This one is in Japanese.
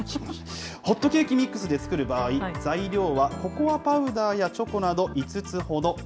ホットケーキミックスで作る場合、材料はココアパウダーやチョコなど５つほど。